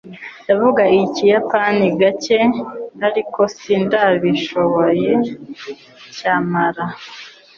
Ndavuga Ikiyapani gake, ariko sindabishoboye, nyamara.